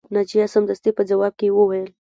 ناجیه سمدستي په ځواب کې وویل